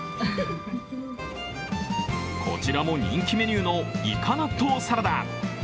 こちらも人気メニューのイカ納豆サラダ。